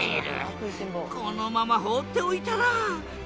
このまま放っておいたら大変だ！